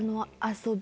遊び？